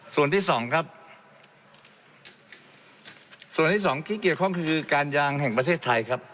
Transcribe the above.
ส่วนที่สองครับส่วนที่สองที่เกี่ยวข้องคือการยางแห่งประเทศไทยครับ